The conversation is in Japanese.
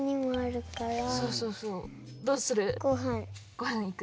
ごはんいく？